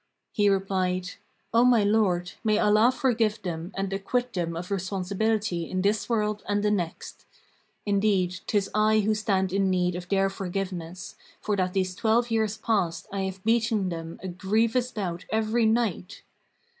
He replied, "O my lord, may Allah forgive them and acquit them of responsibility in this world and the next! Indeed, 'tis I who stand in need of their forgiveness, for that these twelve years past I have beaten them a grievous bout every night!"